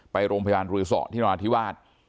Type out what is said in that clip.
ไปโรงพยาบาลรือสอที่นราธิวาส